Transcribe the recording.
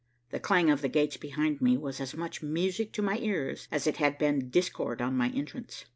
The clang of the gates behind me was as much music to my ears as it had been discord on my entrance.